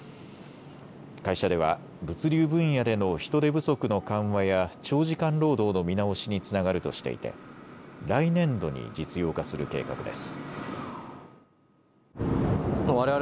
会社では物流分野での人手不足の緩和や長時間労働の見直しにつながるとしていて来年度に実用化する計画です。